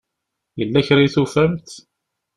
Yella kra i tufamt?